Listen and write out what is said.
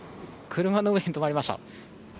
車の上に止まりました。